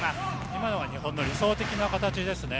今のは日本の理想的な形ですね。